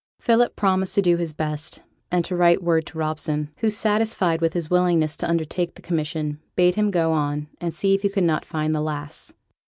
Philip promised to do his best, and to write word to Robson, who, satisfied with his willingness to undertake the commission, bade him go on and see if he could not find the lass.